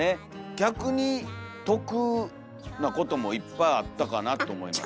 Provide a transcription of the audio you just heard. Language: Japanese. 逆に得なこともいっぱいあったかなと思います。